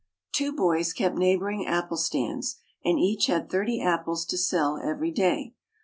Two boys kept neighboring apple stands, and each had thirty apples to sell every day.